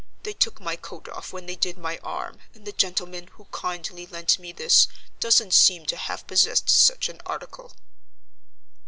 They took my coat off when they did my arm, and the gentleman who kindly lent me this doesn't seem to have possessed such an article."